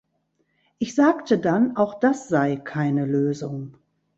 Ich sagte dann, auch das sei keine Lösung.